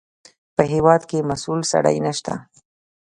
په هېواد کې مسوول سړی نشته.